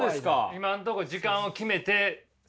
今んとこ時間を決めてやってる。